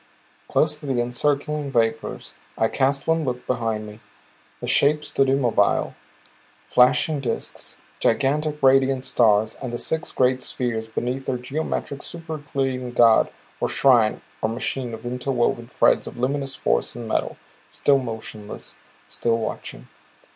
Close to the encircling vapors I cast one look behind me. The shapes stood immobile, flashing disks, gigantic radiant stars and the six great spheres beneath their geometric super Euclidean god or shrine or machine of interwoven threads of luminous force and metal still motionless, still watching.